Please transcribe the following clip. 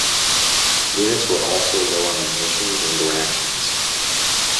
Units were also low on munitions and rations.